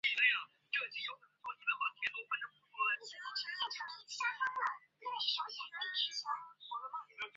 黄牛奶树为山矾科山矾属下的一个种。